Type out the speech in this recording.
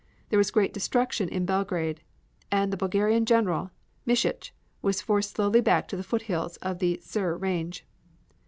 There was great destruction in Belgrade and the Bulgarian General, Mishitch, was forced slowly back to the foothills of the Tser range.